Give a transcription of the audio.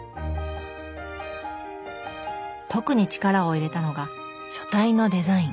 特に力を入れたのが書体のデザイン。